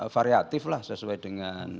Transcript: variatiflah sesuai dengan